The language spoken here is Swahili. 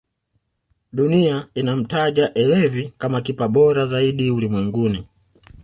dunia inamtaja elevi kama kipa bora zaidi ulimwenguni